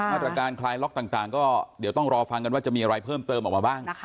มาตรการคลายล็อกต่างก็เดี๋ยวต้องรอฟังกันว่าจะมีอะไรเพิ่มเติมออกมาบ้าง